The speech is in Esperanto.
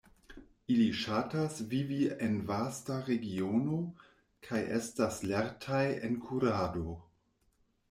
Ili ŝatas vivi en vasta regiono kaj estas lertaj en kurado.